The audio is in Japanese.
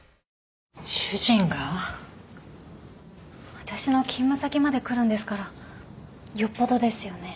私の勤務先まで来るんですからよっぽどですよね。